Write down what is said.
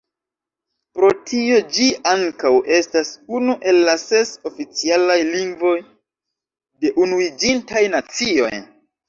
Pro tio ĝi ankaŭ estas unu el la ses oficialaj lingvoj de Unuiĝintaj Nacioj.